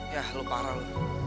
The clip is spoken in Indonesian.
yah lu parah lu